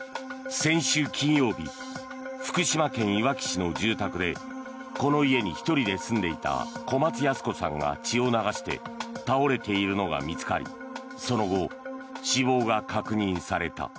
先週金曜日福島県いわき市の住宅でこの家に１人で住んでいた小松ヤス子さんが血を流して倒れているのが見つかりその後、死亡が確認された。